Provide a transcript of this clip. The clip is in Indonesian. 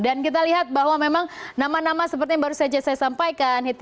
kita lihat bahwa memang nama nama seperti yang baru saja saya sampaikan